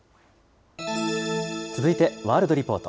続いてワールドリポート。